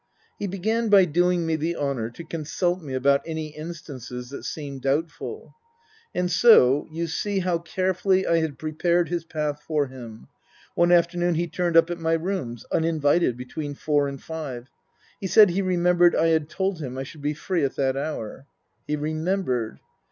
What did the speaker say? He began by doing me the honour to consult me about any instances that seemed doubtful. And so you see how carefully I had prepared his path for him one afternoon he turned up at my rooms, uninvited, between four and five. He said he remembered I had told him I should be free at that hour. He remembered.